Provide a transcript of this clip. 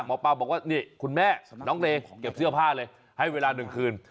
หมอปลาบอกว่านี่คุณแม่น้องเลเก็บเสื้อผ้าเลยให้เวลา๑คืน